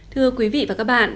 thưa quý vị và các bạn